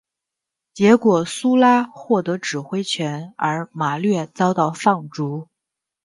结果苏拉获得指挥权而马略遭到放逐。